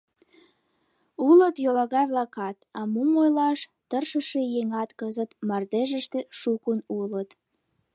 Улыт йолагай-влакат, а мом ойлаш, тыршыше еҥат кызыт мардежыште шукын улыт.